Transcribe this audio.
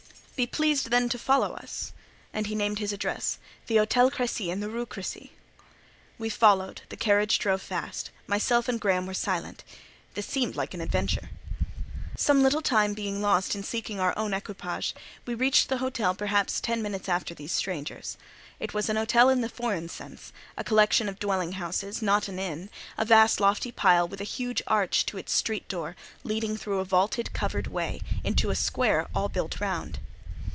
"Be pleased, then, to follow us." And he named his address: "The Hôtel Crécy, in the Rue Crécy." We followed; the carriage drove fast; myself and Graham were silent. This seemed like an adventure. Some little time being lost in seeking our own equipage, we reached the hotel perhaps about ten minutes after these strangers. It was an hotel in the foreign sense: a collection of dwelling houses, not an inn—a vast, lofty pile, with a huge arch to its street door, leading through a vaulted covered way, into a square all built round.